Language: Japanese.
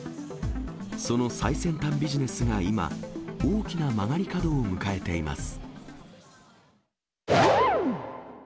その最先端ビジネスが今、大きな曲がり角を迎えています。